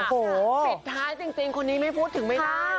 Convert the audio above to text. ปิดท้ายจริงคนนี้ไม่พูดถึงไม่ได้